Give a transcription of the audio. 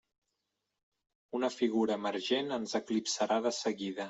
Una figura emergent ens eclipsarà de seguida.